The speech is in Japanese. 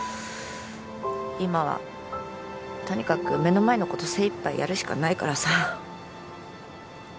今はとにかく目の前の事精いっぱいやるしかないからさ。